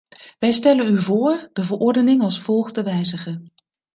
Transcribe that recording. Wij stellen u voor de verordening als volgt te wijzigen.